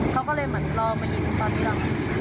เขาก็เลยเหมือนรอมายิงตอนที่เรา